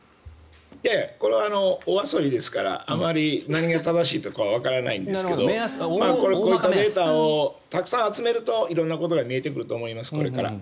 これはお遊びですからあまり何が正しいとかわからないんですがたくさんデータを集めると色んなことが見えてくると思います。